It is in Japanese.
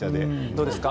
どうですか？